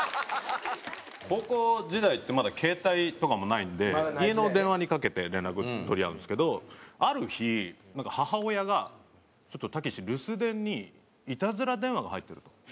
高校時代ってまだ携帯とかもないんで家の電話にかけて連絡取り合うんですけどある日なんか母親が「ちょっとたけし留守電にいたずら電話が入ってる」と。